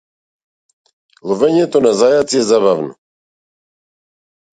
Ловењето на зајаци е забавно.